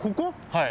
はい。